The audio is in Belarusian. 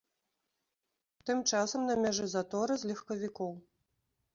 Тым часам на мяжы заторы з легкавікоў.